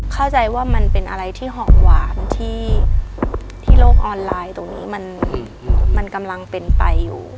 เข้าใจว่ามันเป็นอะไรที่หอมหวานที่โลกออนไลน์ตรงนี้มันกำลังเป็นไปอยู่